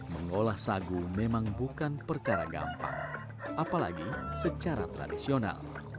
mengolah sagu memang bukan perkara gampang apalagi secara tradisional